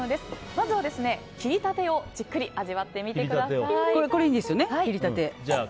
まずは、切りたてをじっくり味わってみてください。